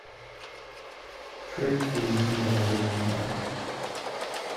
Trick flees with another vampire.